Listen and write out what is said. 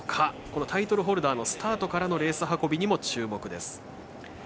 このタイトルホルダーのスタートからのレース運びにも注目です。